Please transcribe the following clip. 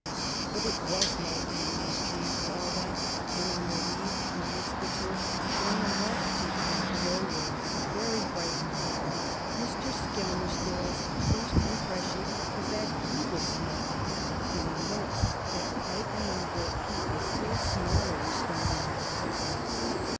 But it was light under these trees for all that, and on the leaves and amidst the turf shone a multitude of glow worms, very bright and fine. Mr. Skelmersdale's first impression was that he was SMALL, and the next that quite a number of people still smaller were standing all about him.